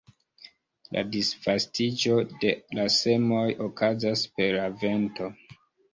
La disvastiĝo de la semoj okazas per la vento.